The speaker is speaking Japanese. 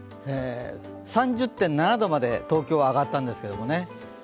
３０．７度まで東京は上がったんですけどね。